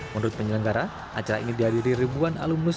menurut penyelenggara acara ini dihadiri ribuan alumnus